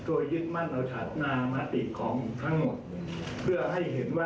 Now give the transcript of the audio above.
ก็เป็นเรื่องที่เราจะคุยกันตัวยิดมั่นเราฉันามาติของทั้งหมดเพื่อให้เห็นว่า